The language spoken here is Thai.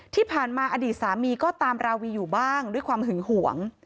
ที่ผ่านมาอดีตสามีก็ตามราวีอยู่บ้างด้วยความหึงหวง